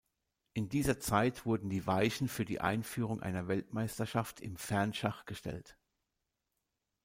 In dieser Zeit wurden die Weichen für die Einführung einer Weltmeisterschaft im Fernschach gestellt.